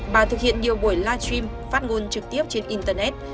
bà thực hiện nhiều buổi live stream phát ngôn trực tiếp trên internet